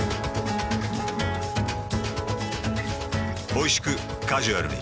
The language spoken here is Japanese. おいしくカジュアルに。